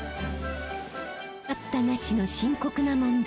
待ったなしの深刻な問題